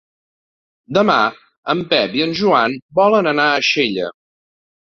Demà en Pep i en Joan volen anar a Xella.